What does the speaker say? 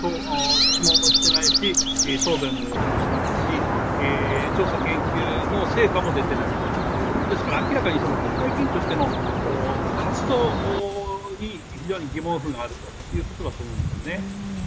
質問もしてないし、答弁ももちろんしてないし調査研究の成果も出ていないということですから、明らかに国会議員としての活動に非常に疑問符があるということだと思うんですね。